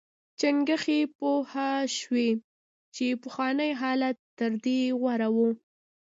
چنګښې پوه شوې چې پخوانی حالت تر دې غوره و.